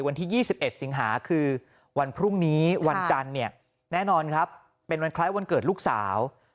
วันที่๒๑สิงหาคือวันพรุ่งนี้วันจันทร์เนี่ยแน่นอนครับเป็นวันคล้ายวันเกิดลูกสาว